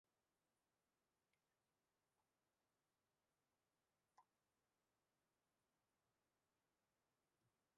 There is a deep groove in front of the eye.